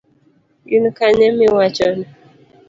In kanye miwachonino?